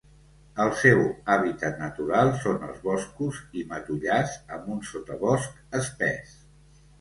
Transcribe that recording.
El seu hàbitat natural són els boscos i matollars amb un sotabosc espès.